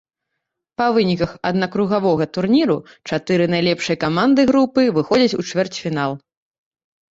Па выніках аднакругавога турніру чатыры найлепшыя каманды групы выходзяць у чвэрцьфінал.